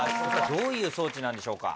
どういう装置なんでしょうか？